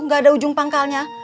gak ada ujung pangkalnya